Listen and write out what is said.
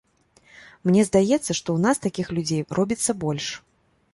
Мне здаецца, што ў нас такіх людзей робіцца больш.